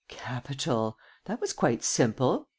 "Capital, that was quite simple!